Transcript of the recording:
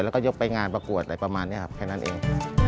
แล้วก็ยกไปงานประกวดอะไรประมาณนี้ครับแค่นั้นเอง